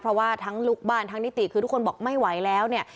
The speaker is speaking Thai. เพราะว่าทั้งลูกบ้านทั้งนิติคือทุกคนบอกไม่ไหวแล้วเนี่ย